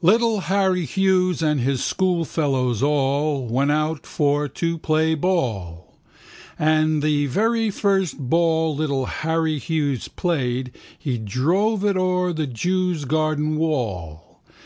Little Harry Hughes and his schoolfellows all Went out for to play ball. And the very first ball little Harry Hughes played He drove it o'er the jew's garden wall.